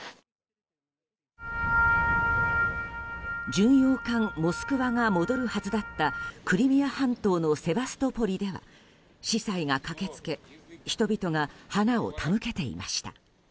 巡洋艦「モスクワ」が戻るはずだったクリミア半島のセバストポリでは司祭が駆け付け人々が花を手向けていました。